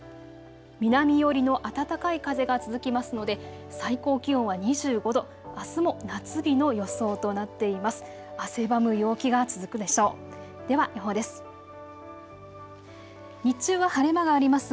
南寄りの暖かい風が続きますので最高気温は２５度、あすも夏日の予想となっています。